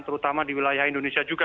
terutama di wilayah indonesia juga